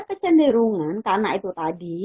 kecenderungan karena itu tadi